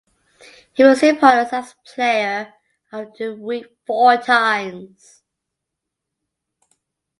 He received honors as Player of the Week four times.